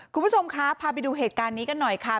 คุณผู้ชมคะพาไปดูเหตุการณ์นี้กันหน่อยค่ะ